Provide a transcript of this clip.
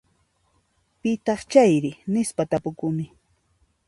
Pitaq chayri? Nispa tapukuni.